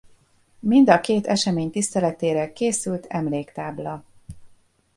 Mind a két esemény tiszteletére készült emléktábla.